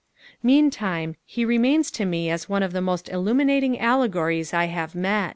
Meantime he remains to me as one of the most illuminating allegories I have met.